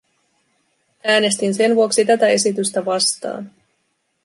Äänestin sen vuoksi tätä esitystä vastaan.